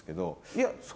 いや。